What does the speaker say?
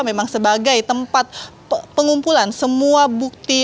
memang sebagai tempat pengumpulan semua bukti